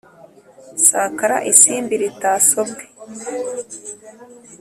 sakara isimbi ritasobwe